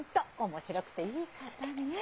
面白くていい方ね！